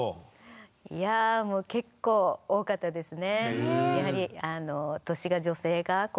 いや結構多かったですね。